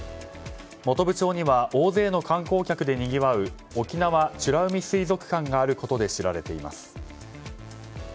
本部町には大勢の観光客でにぎわう沖縄美ら海水族館があることで知られています。